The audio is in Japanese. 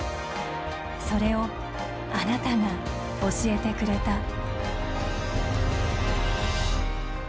それをあなたが教えてくれた」。